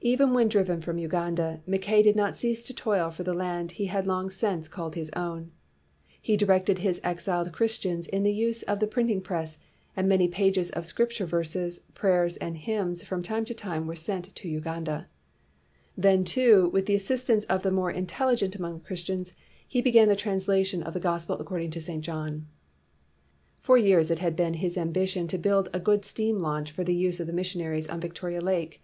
Even when driven from Uganda, Mackay did not cease to toil for the land he had long since called his own. He directed his ex iled Christians in the use of the printing press, and many pages of Scripture verses, prayers, and hymns from time to time were sent to Uganda. Then, too, with the assist ance of the more intelligent among the 260 HE LAYS DOWN HIS TOOLS Christians, he began the translation of the Gospel according to St. John. For years it had been his ambition to build a good steam launch for the use of the missionaries on Victoria Lake.